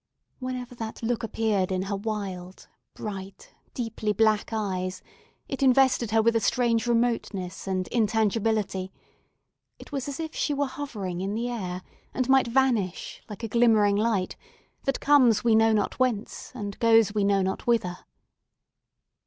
Whenever that look appeared in her wild, bright, deeply black eyes, it invested her with a strange remoteness and intangibility: it was as if she were hovering in the air, and might vanish, like a glimmering light that comes we know not whence and goes we know not whither.